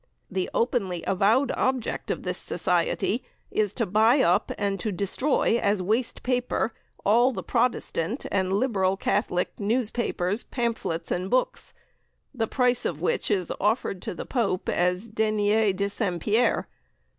The openly avowed object of this Society is to buy up and to destroy as waste paper all the Protestant and Liberal Catholic newspapers, pamphlets and books, the price of which is offered to the Pope as 'Deniers de St. Pierre.'